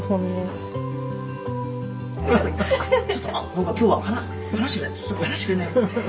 なんか今日は離してくれない。